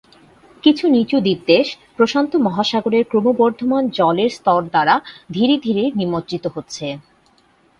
কিছু নিচু দ্বীপ দেশ প্রশান্ত মহাসাগরের ক্রমবর্ধমান জলের স্তর দ্বারা ধীরে ধীরে নিমজ্জিত হচ্ছে।